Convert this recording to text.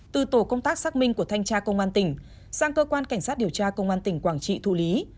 từ tổ công tác xác minh của thanh tra công an tỉnh sang cơ quan cảnh sát điều tra công an tỉnh quảng trị thụ lý